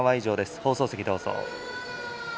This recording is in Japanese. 放送席、どうぞ。